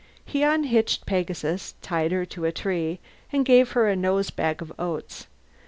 He unhitched Pegasus, tied her to a tree, and gave her a nose bag of oats.